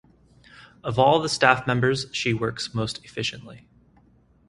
Of all the staff members, she works most efficiently.